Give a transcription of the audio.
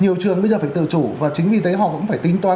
nhiều trường bây giờ phải tự chủ và chính vì thế họ cũng phải tính toán